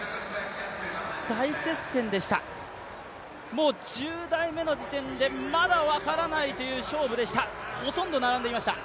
大接戦でした、もう１０台目の時点でまだ分からないという勝負でした、ほとんど並んでいました。